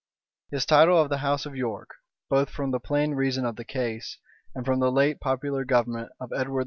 His title of the house of York, both from the plain reason of the case, and from the late popular government of Edward IV.